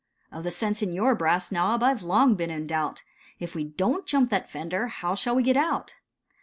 "Of the sense in your brass knob I 've long been in doubt, If we don't jump that fender, how shall we get out?"